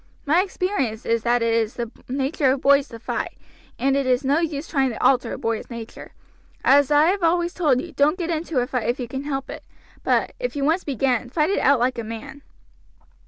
My experience is that it is the nature of boys to fight, and it is no use trying to alter boys' nature. As I have always told you, don't get into a fight if you can help it; but, if you once begin, fight it out like a man."